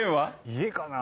家かな。